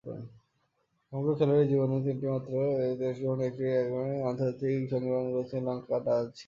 সমগ্র খেলোয়াড়ী জীবনে তিনটিমাত্র টেস্ট ও এগারোটি একদিনের আন্তর্জাতিকে অংশগ্রহণ করেছেন লঙ্কা ডি সিলভা।